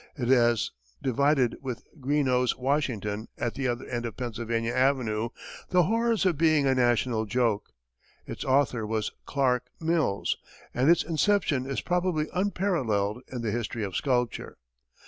It has divided with Greenough's "Washington," at the other end of Pennsylvania Avenue, the horrors of being a national joke. Its author was Clarke Mills, and its inception is probably unparalleled in the history of sculpture.